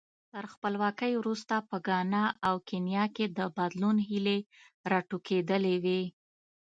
تر خپلواکۍ وروسته په ګانا او کینیا کې د بدلون هیلې راټوکېدلې وې.